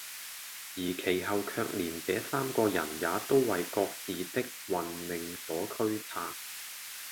而其後卻連這三個人也都爲各自的運命所驅策，